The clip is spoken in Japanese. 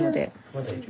まだいる。